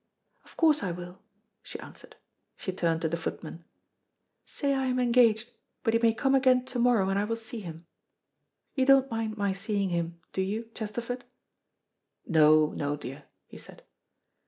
"Of course I will," she answered. She turned to the footman. "Say I am engaged, but he may come again to morrow and I will see him. You don't mind my seeing him, do you, Chesterford?" "No, no, dear," he said.